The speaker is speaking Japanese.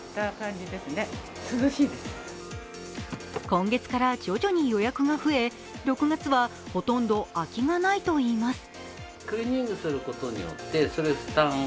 今月から徐々に予約が増え６月はほとんど空きがないといいます。